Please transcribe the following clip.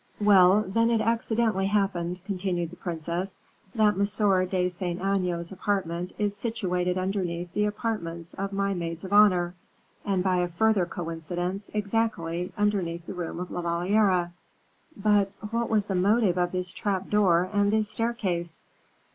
"Well, then it accidentally happened," continued the princess, "that M. de Saint Aignan's apartment is situated underneath the apartments of my maids of honor, and by a further coincidence, exactly underneath the room of La Valliere." "But what was the motive of this trap door and this staircase?"